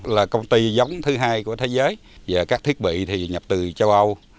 là công ty giống thứ hai của thế giới các thiết bị nhập từ châu âu